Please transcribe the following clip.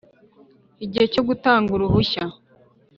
igihe cyo gutanga uruhushya